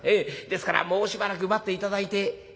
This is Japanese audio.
ですからもうしばらく待って頂いて」。